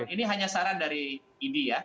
ini hanya saran dari idi ya